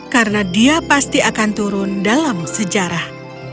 karena dia pasti akan turun dalam sejarah